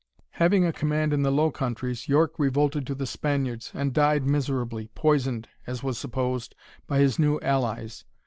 Having a command in the Low Countries, Yorke revolted to the Spaniards, and died miserably, poisoned, as was supposed, by his new allies.